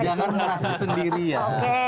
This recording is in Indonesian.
jangan merasa sendirian